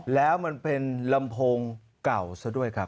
แล้วมันเป็นลำโพงเก่าซะด้วยครับ